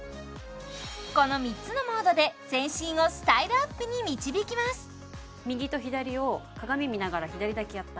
この３つのモードで全身をスタイルアップに導きますおもしろい！